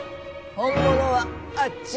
本物はあっち。